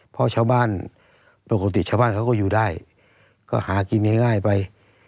เพราะชาวบ้านปกติชาวบ้านเขาก็อยู่ได้ก็หากินง่ายไป